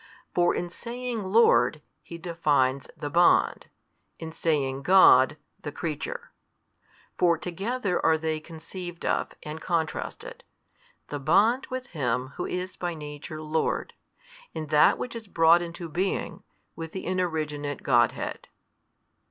For in saying Lord, he defines the bond, in saying God, the creature. For together are they conceived of, and contrasted, the bond with Him who is by Nature Lord, and that which is brought into being, with the Inoriginate Godhead.